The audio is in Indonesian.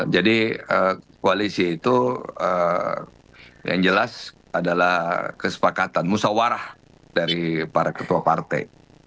jadi koalisi itu yang jelas adalah kesepakatan musyawarah dari para ketua partai